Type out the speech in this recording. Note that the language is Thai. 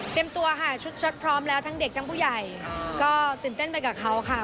ตัวค่ะชุดเชิดพร้อมแล้วทั้งเด็กทั้งผู้ใหญ่ก็ตื่นเต้นไปกับเขาค่ะ